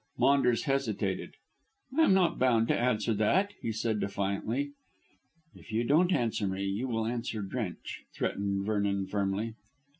Maunders hesitated. "I am not bound to answer that," he said defiantly. "If you don't answer me you will answer Drench," threatened Vernon firmly.